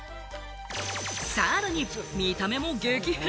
さらに見た目も激変。